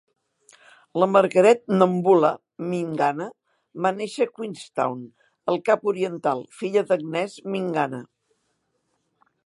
La Margaret Nomvula M'cingana va néixer a Queenstown, al Cap Oriental, filla d'Agnès M'cingana.